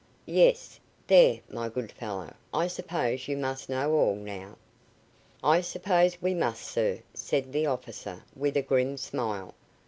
"Yes. There, my good fellow, I suppose you must know all, now." "I suppose we must, sir," said the officer, with a grim smile.